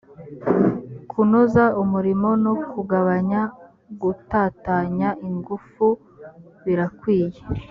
kunoza umurimo no kugabanya gutatanya ingufu birakwiye